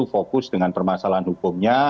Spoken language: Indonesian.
fokus dengan permasalahan hukumnya